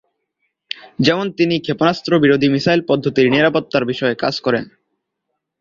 যেমন তিনি ক্ষেপণাস্ত্র-বিরোধী মিসাইল পদ্ধতির নিরাপত্তার বিষয়ে কাজ করেন।